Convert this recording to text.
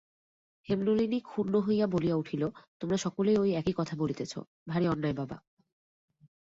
হেমনলিনী ক্ষুণ্ন হইয়া বলিয়া উঠিল, তোমরা সকলেই ঐ একই কথা বলিতেছ–ভারি অন্যায় বাবা।